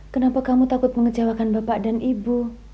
kenapa kamu takut mengecewakan bapak dan ibu